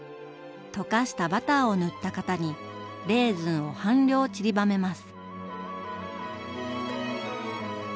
溶かしたバターを塗った型にレーズンを半量ちりばめます。